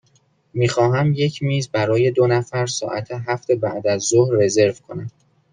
می خواهم یک میز برای دو نفر ساعت هفت بعدازظهر رزرو کنم.